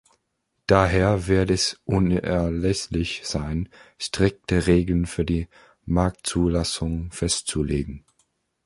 Daher wird es unerlässlich sein, strikte Regeln für die Marktzulassung festzulegen.